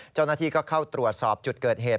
เจ้าหน้าที่ก็เข้าตรวจสอบจุดเกิดเหตุ